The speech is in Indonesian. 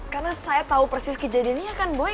karena saya tahu persis kejadiannya kan boy